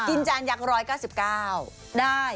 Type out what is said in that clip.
กินจานยักษ์๑๙๙บาท